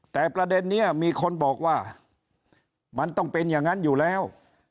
แต่ประเด็นนี้มีคนบอกว่ามันต้องเป็นอย่างนั้นอยู่แล้ว